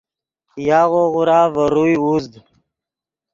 یاغو غورا ڤے روئے اوزد